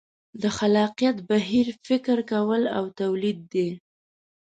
د خلاقیت بهیر فکر کول او تولید دي.